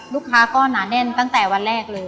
ลูกค้าก็หนาแน่นตั้งแต่วันแรกเลย